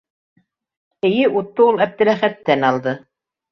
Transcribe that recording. Эйе, утты ул Әптеләхәттән алды.